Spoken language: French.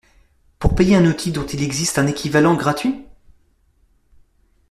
pour payer un outil dont il existe un équivalent gratuit?